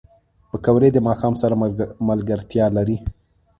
پکورې د ماښام سره ملګرتیا لري